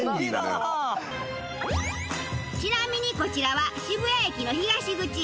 ちなみにこちらは渋谷駅の東口。